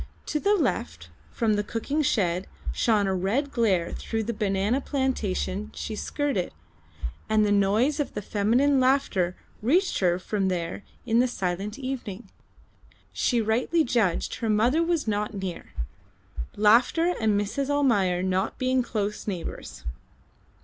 To the left, from the cooking shed, shone a red glare through the banana plantation she skirted, and the noise of feminine laughter reached her from there in the silent evening. She rightly judged her mother was not near, laughter and Mrs. Almayer not being close neighbours.